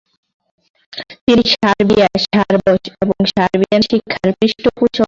তিনি Serbia, Serbs এবং Serbian শিক্ষার পৃষ্ঠপোষক সাধক।